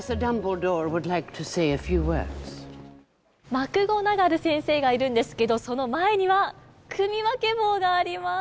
マクゴナガル先生がいるんですけど、その前には、組分け帽があります。